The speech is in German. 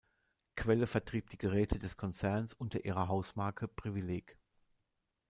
Quelle vertrieb die Geräte des Konzerns unter ihrer Hausmarke Privileg.